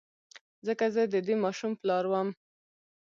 ځکه زه د دې ماشوم پلار وم.